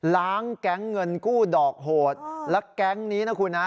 แก๊งเงินกู้ดอกโหดและแก๊งนี้นะคุณฮะ